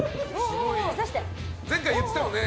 前回、言ってたよね